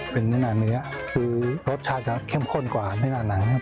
เป็นน้อยน่าเนื้อซื้อรสชาติจะเข้มข้นกว่าน้อยน่าหนัง